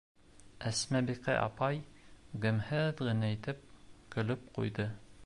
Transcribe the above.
Әсмәбикә апай ғәмһеҙ генә итеп көлөп ҡуйҙы: